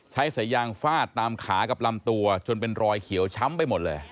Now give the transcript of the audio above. ใช้สายยางฟาดตามขากับลำตัวจนเป็นรอยเขียวช้ำไปหมดเลย